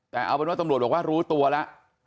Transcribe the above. แต่เอาเป็นว่าตำรวจบอกว่ารู้ตัวแล้ว